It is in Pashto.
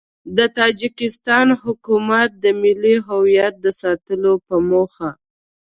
د تاجیکستان حکومت د ملي هویت د ساتلو په موخه